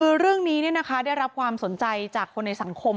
คือเรื่องนี้ได้รับความสนใจจากคนในสังคม